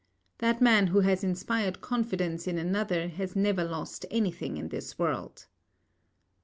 That man who has inspired confidence in another has never lost anything in this world.